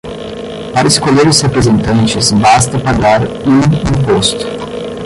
Para escolher os representantes, basta pagar um imposto.